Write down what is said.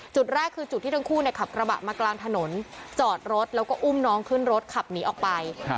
จุดแรกคือจุดที่ทั้งคู่ขับกระบะมากลางถนนจอดรถแล้วก็อุ้มน้องขึ้นรถขับหนีออกไป